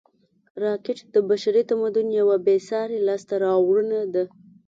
راکټ د بشري تمدن یوه بېساري لاسته راوړنه ده